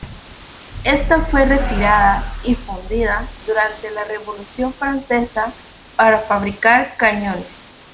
Ésta fue retirada y fundida durante la Revolución francesa para fabricar cañones.